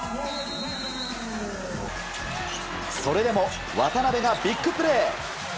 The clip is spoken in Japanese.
それでも渡邊がビッグプレー。